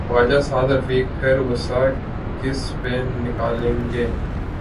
خواجہ سعدرفیق پھر غصہ کس پہ نکالیں گے؟